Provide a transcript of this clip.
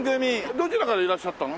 どちらからいらっしゃったの？